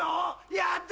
やった！